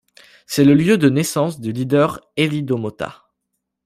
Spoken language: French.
C'est le lieu de naissance du leader Élie Domota.